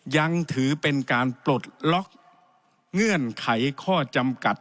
ยังถือเป็นการปลดล็อกเงื่อนไขข้อจำกัด